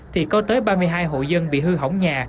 thì có tới ba mươi hai hộ dân bị hư hỏng nhà